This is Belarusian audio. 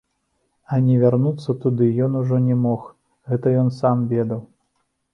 А не вярнуцца туды ён ужо не мог, гэта ён сам ведаў.